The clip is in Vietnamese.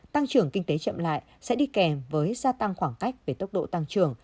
tăng trưởng kinh tế chậm lại sẽ đi kèm với gia tăng khoảng cách về tốc độ tăng trưởng